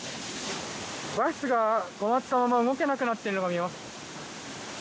バスが止まったまま動けなくなっているのが見えます。